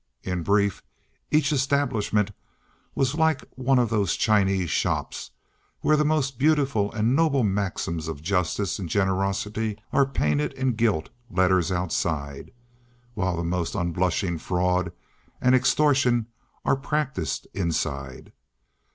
In brief, each establishment was like one of those Chinese shops where the most beautiful and noble maxims of justice and generosity are painted in gilt letters outside, while the most unblushing fraud and extortion are practised inside.